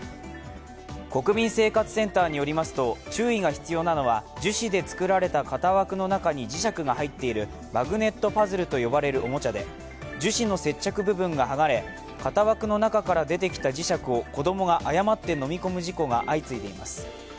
国民生活センターによりますと注意が必要なのは樹脂で作られた型枠の中に磁石が入っているマグネットパズルと呼ばれるおもちゃで樹脂の接着部分が剥がれ型枠の中から出てきた磁石を子供が誤って飲み込む事故が相次いでいます。